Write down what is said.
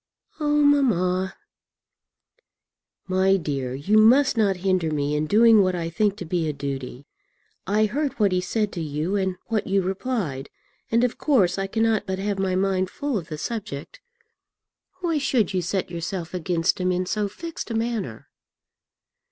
"Oh, mamma!" "My dear, you must not hinder me in doing what I think to be a duty. I heard what he said to you and what you replied, and of course I cannot but have my mind full of the subject. Why should you set yourself against him in so fixed a manner?"